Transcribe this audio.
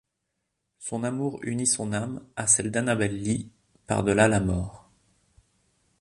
Son amour unit son âme à celle d'Annabel Lee par delà la mort.